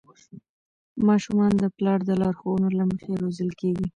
ماشومان د پلار د لارښوونو له مخې روزل کېږي.